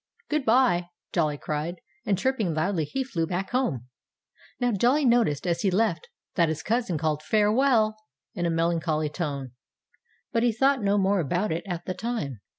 "Good by!" Jolly cried. And chirping loudly, he flew back home. Now, Jolly noticed, as he left, that his cousin called "Farewell!" in a melancholy tone. But he thought no more about it at the time.